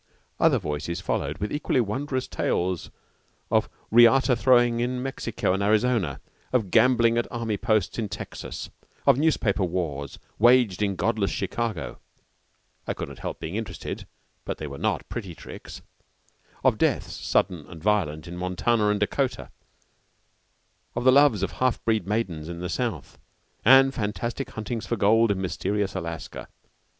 Other voices followed, with equally wondrous tales of riata throwing in Mexico and Arizona, of gambling at army posts in Texas, of newspaper wars waged in godless Chicago (I could not help being interested, but they were not pretty tricks), of deaths sudden and violent in Montana and Dakota, of the loves of half breed maidens in the South, and fantastic huntings for gold in mysterious Alaska.